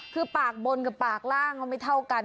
คือปากบนกับปากล่างเขาไม่เท่ากัน